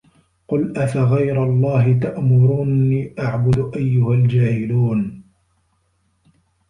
قُل أَفَغَيرَ اللَّهِ تَأمُرونّي أَعبُدُ أَيُّهَا الجاهِلونَ